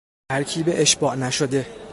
ترکیب اشباع نشده